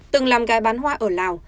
từng làm gai bán hoa ở lào